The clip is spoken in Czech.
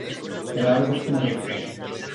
K realizaci nedošlo.